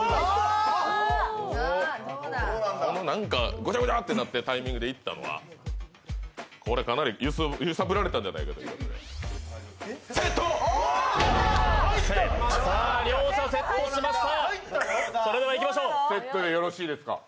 ごちゃごちゃってなっているタイミングでいったのは、かなり揺さぶられたんじゃないかということで。両者セットしました。